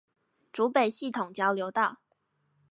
竹北系統交流道